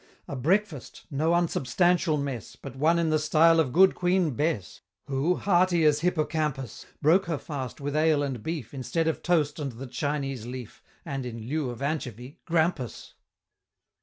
A Breakfast no unsubstantial mess, But one in the style of Good Queen Bess, Who, hearty as hippocampus, Broke her fast with ale and beef, Instead of toast and the Chinese leaf, And in lieu of anchovy grampus.